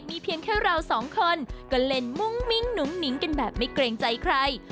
มีเพียงแค่เราสองคนก็เล่นมุ้งมิ้งหนุ่งหนิงกันแบบไม่เกรงใจใคร